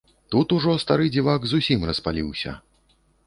Тут ужо стары дзівак зусім распаліўся.